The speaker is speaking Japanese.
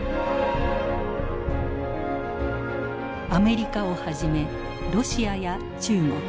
アメリカをはじめロシアや中国